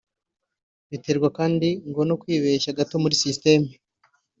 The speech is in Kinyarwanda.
Biterwa kandi ngo no kwibeshya gato muri sisiteme